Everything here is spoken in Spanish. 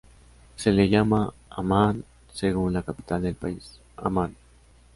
Se le llama "Ammán" según la capital del país, Ammán.